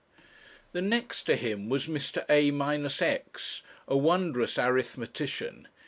The next to him was Mr. A. Minusex, a wondrous arithmetician.